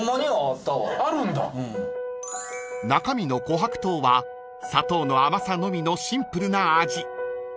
［中身の琥珀糖は砂糖の甘さのみのシンプルな味］